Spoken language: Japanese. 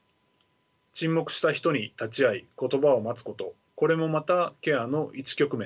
沈黙した人に立ち会い言葉を待つことこれもまたケアの一局面です。